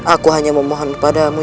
aku hanya memohon kepada mu